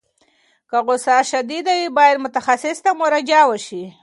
که غوسه شدید وي، باید متخصص ته مراجعه وشي.